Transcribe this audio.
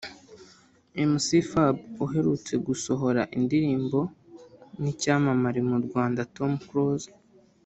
Mc Fab uheruka gusohora indirimbo n’icyamamare mu Rwanda Tom Close